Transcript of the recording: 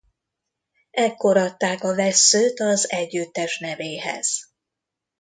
Ekkor adták a vesszőt az együttes nevéhez.